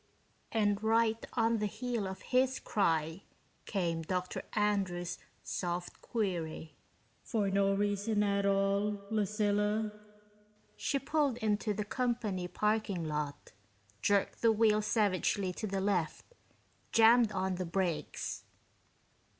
And right on the heel of his cry came Dr. Andrews' soft query, "For no reason at all, Lucilla?" She pulled into the company parking lot, jerked the wheel savagely to the left, jammed on the brakes.